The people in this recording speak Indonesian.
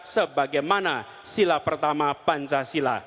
sebagaimana sila pertama pancasila